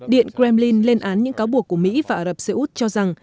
điện kremlin lên án những cáo buộc của mỹ và ả rập xê út cho rằng